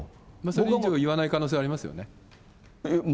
それ以上言わない可能性はありますよね。